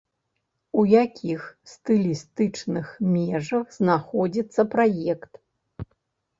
У якіх стылістычных межах знаходзіцца праект?